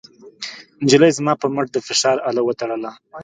نجلۍ زما پر مټ د فشار اله وتړله.